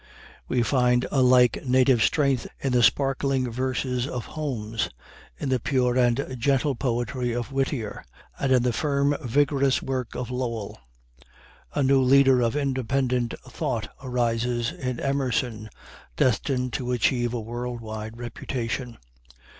We find a like native strength in the sparkling verses of Holmes, in the pure and gentle poetry of Whittier, and in the firm, vigorous work of Lowell. A new leader of independent thought arises in Emerson, destined to achieve a world wide reputation.